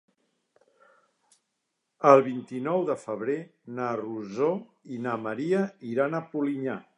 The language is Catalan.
El vint-i-nou de febrer na Rosó i na Maria iran a Polinyà.